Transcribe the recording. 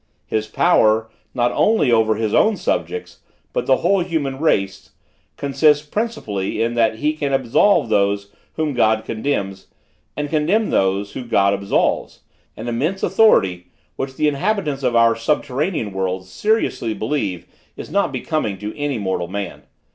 His power, not only over his own subjects, but the whole human race, consists principally in that he can absolve those whom God condemns, and condemn those whom God absolves; an immense authority, which the inhabitants of our subterranean world seriously believe is not becoming to any mortal man.